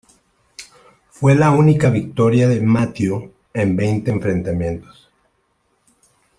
Fue la única victoria de Mathieu en veinte enfrentamientos.